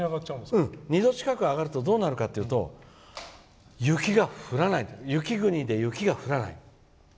２度近く上がるとどうなるかっていうと雪国で雪が降らない。